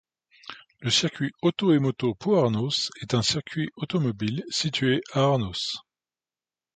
Le circuit auto et moto Pau-Arnos est un circuit automobile situé à Arnos.